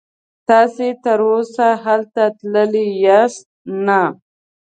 تاسې تراوسه هلته تللي یاست؟ نه.